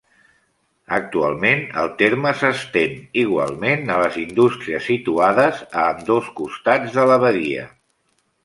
Actualment, el terme s'estén igualment a les indústries situades a ambdós costats de la badia.